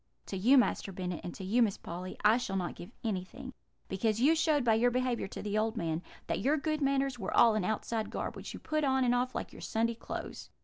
To you, Master Bennet, and to you, Miss Polly, I shall not give anything; because you showed, by your behaviour to the old man, that your good manners were all an outside garb, which you put on and off like your Sunday clothes.'